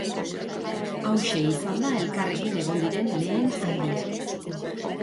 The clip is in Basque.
Hauxe izan da elkarrekin egon diren lehen aldia.